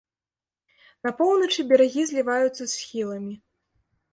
На поўначы берагі зліваюцца з схіламі.